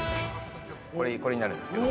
これになるんですけど。